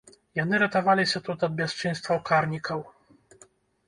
Яны ратаваліся тут ад бясчынстваў карнікаў.